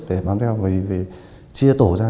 để bám theo